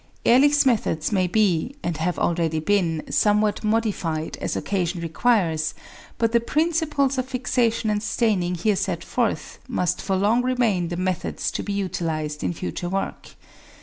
Ehrlich's methods may be (and have already been) somewhat modified as occasion requires, but the principles of fixation and staining here set forth must for long remain the methods to be utilised in future work.